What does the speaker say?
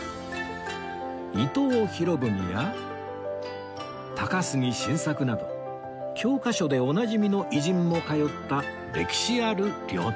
伊藤博文や高杉晋作など教科書でおなじみの偉人も通った歴史ある料亭です